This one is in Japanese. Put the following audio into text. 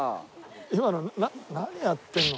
今の何やってんの。